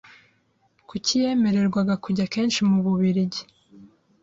kuki yemererwaga kujya kenshi mu bubirigi